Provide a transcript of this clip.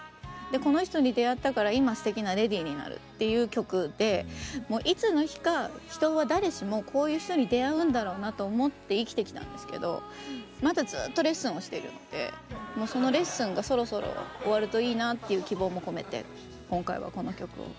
でこの人に出逢ったから今素敵なレディになるっていう曲でいつの日か人は誰しもこういう人に出逢うんだろうなと思って生きてきたんですけどまだずっとレッスンをしてるのでもうそのレッスンがそろそろ終わるといいなっていう希望も込めて今回はこの曲を。